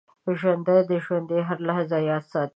ژوندي د ژوند هره لحظه یاد ساتي